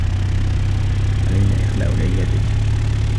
علينا إخلاء العيادة.